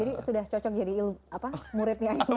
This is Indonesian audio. jadi sudah cocok jadi muridnya ahilman